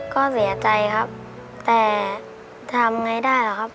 ก็เสียใจครับแต่ทำไงได้หรอกครับ